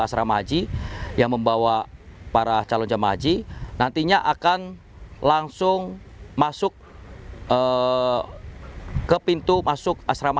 asrama haji yang membawa para calon jemaah haji nantinya akan langsung masuk ke pintu masuk asrama